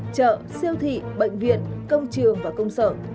chợ siêu thị bệnh viện công trường và công sở